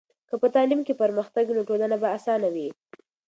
که په تعلیم کې پرمختګ وي، نو ټولنه به اسانه وي.